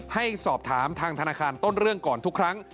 ให้สอบถามทางธนาคารต้นเรื่องก่อนทุกครั้ง